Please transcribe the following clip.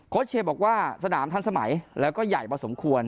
โครช่์เชอร์บอกว่าสนามท่านสมัยแล้วก็ใหญ่พอสมควร